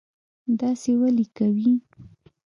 داسی ولې کوي